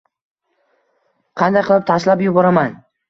“Qanday qilib tashlab yuboraman?